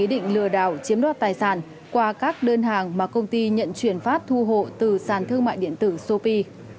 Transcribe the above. định lừa đảo chiếm đoạt tài sản qua các đơn hàng mà công ty nhận chuyển phát thu hộ từ sàn thương mại điện tử sopi